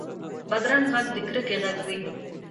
بدرنګه غږ د کرکې غږ وي